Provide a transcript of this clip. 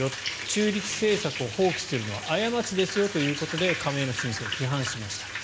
中立政策を放棄するのは過ちですよということで加盟の申請を批判しました。